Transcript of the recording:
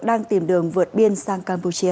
đang tìm đường vượt biên sang campuchia